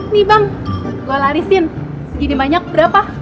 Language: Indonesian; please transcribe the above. nih bang gue larisin segini banyak berapa